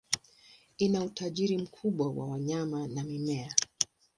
Ina utajiri mkubwa wa wanyama na mimea.